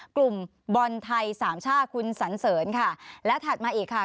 กลุ่มบอลไทยสามชาติคุณสันเสริญค่ะและถัดมาอีกค่ะ